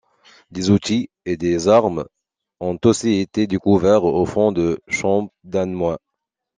Des outils et des armes ont aussi été découverts au Font de Champdamoy.